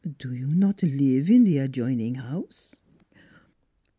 Do you not live in the adjoining house?